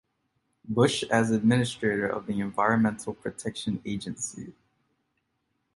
Bush as Administrator of the Environmental Protection Agency.